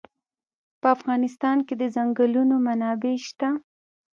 په افغانستان کې د ځنګلونه منابع شته.